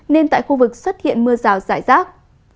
nên tại khu vực xuất hiện mưa rào rải rác